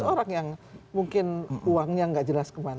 seratus orang yang mungkin uangnya tidak jelas kemana